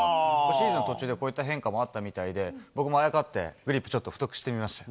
シーズン途中でこういった変化もあったみたいで、僕もあやかって、グリップちょっと太くしてみました。